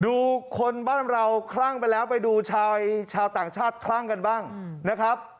ดูคนบ้านเราคลั่งไปแล้วไปดูชายชาวต่างชาติคลั่งกันบ้างนะครับ